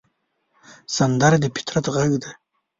سندره د فطرت غږ دی